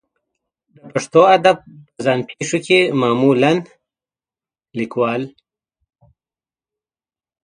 د پښتو ادب په ځان پېښو کې معمولا لیکوال